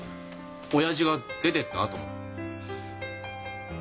親父が出てったあとも？